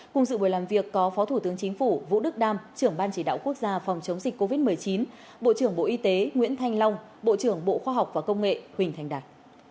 cùng dự buổi làm việc có phó thủ tướng chính phủ vũ đức đam trưởng ban chỉ đạo quốc gia phòng chống dịch covid một mươi chín bộ trưởng bộ y tế nguyễn thanh long bộ trưởng bộ khoa học và công nghệ huỳnh thành đạt